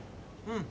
うん。